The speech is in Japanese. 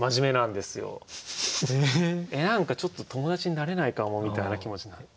「えっ何かちょっと友達になれないかも」みたいな気持ちになる。